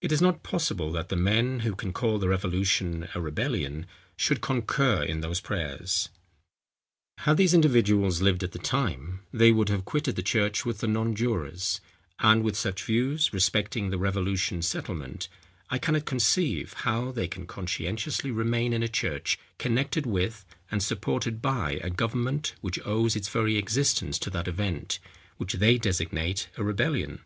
It is not possible that the men, who can call the revolution a rebellion, should concur in those prayers. Had these individuals lived at the time, they would have quitted the church with the nonjurors; and with such views, respecting the revolution settlement, I cannot conceive how they can conscientiously remain in a church connected with, and supported by a government which owes its very existence to that event, which they designate a rebellion.